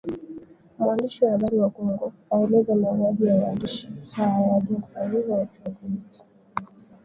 Mwandishi wa habari wa Kongo aeleza mauaji ya waandishi hayajafanyiwa uchunguzi